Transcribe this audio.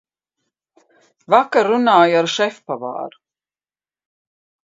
Vakar runāju ar šefpavāru.